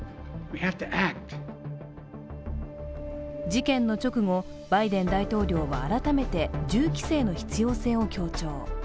事件の直後、バイデン大統領は改めて銃規制の必要性を強調。